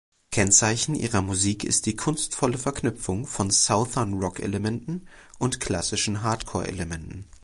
Kennzeichen ihrer Musik ist die kunstvolle Verknüpfung von Southern Rock-Elementen und klassischen Hardcore-Elementen.